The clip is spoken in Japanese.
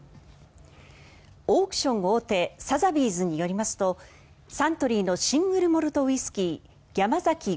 オークション大手サザビーズによりますとサントリーのシングルモルトウイスキー山崎